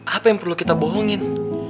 apa yang perlu kita bohongin